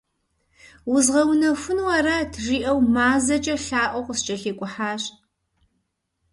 «Узгъэунэхуну арат» жиӏэу мазэкӏэ лъаӏуэу къыскӏэлъикӏухьащ.